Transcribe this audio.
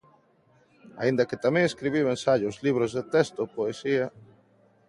Aínda que tamén escribiu ensaios, libros de texto, poesía...